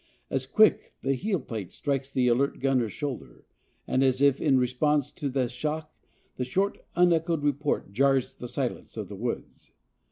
As quick, the heelplate strikes the alert gunner's shoulder, and, as if in response to the shock, the short unechoed report jars the silence of the woods.